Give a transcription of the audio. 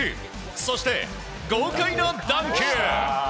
そして豪快なダンク！